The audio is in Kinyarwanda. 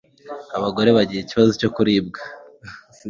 abagore bagira ikibazo cyo kuribwa